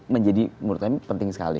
menjadi menurut kami penting sekali